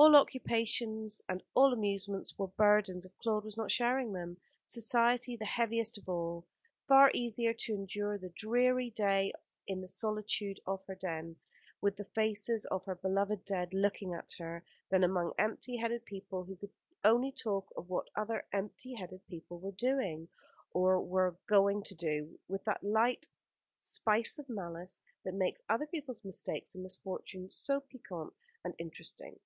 All occupations and all amusements were burdens if Claude was not sharing them Society the heaviest of all. Far easier to endure the dreary day in the solitude of her den, with the faces of her beloved dead looking at her, than among empty headed people, who could only talk of what other empty headed people were doing, or were going to do, with that light spice of malice which makes other people's mistakes and misfortunes so piquant and interesting.